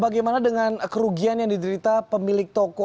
bagaimana dengan kerugian yang diderita pemilik toko